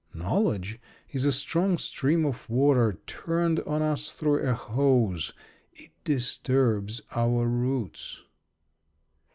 Knowledge is a strong stream of water turned on us through a hose. It disturbs our roots.